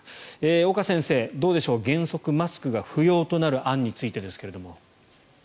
岡先生、どうでしょう原則マスクが不要となる案についてですが。